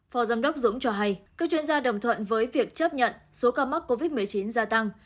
phó giám đốc dũng cho hay các chuyên gia đồng thuận với việc chấp nhận số ca mắc covid một mươi chín gia tăng